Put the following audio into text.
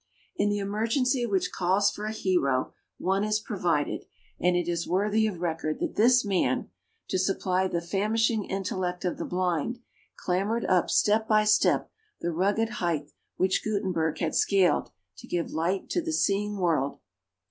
In the emergency which calls for a hero, one is provided; and it is worthy of record that this man, to supply the famishing intellect of the blind, clambered up step by step the rugged height which Gutenberg had scaled, to give light to the seeing world.